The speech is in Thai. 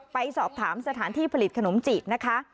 ไปสอบถามสถานที่ผลิตขนมจีบนะคะ